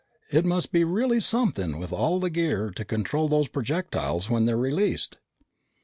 "It must be really something with all the gear to control those projectiles when they're released."